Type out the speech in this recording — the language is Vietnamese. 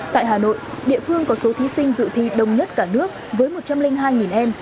tại hà nội địa phương có số thí sinh dự thi đông nhất cả nước với một trăm linh hai em